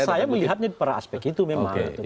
saya melihatnya pada aspek itu memang